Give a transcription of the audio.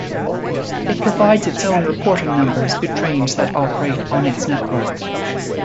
It provides its own reporting numbers to trains that operate on its network.